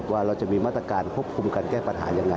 ว่าเราจะมีมาตรการควบคุมการแก้ปัญหายังไง